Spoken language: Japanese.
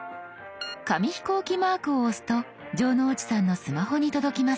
紙飛行機マークを押すと城之内さんのスマホに届きます。